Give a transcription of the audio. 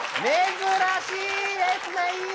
珍しいですね。